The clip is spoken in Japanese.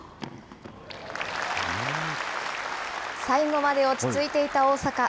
最後まで落ち着いていた大坂。